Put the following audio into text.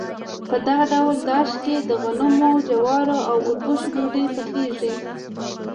په دغه ډول داش کې د غنمو، جوارو او اوربشو ډوډۍ پخیږي.